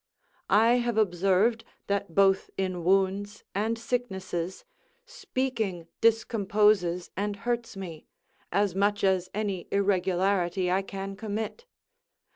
I have observed, that both in wounds and sicknesses, speaking discomposes and hurts me, as much as any irregularity I can commit.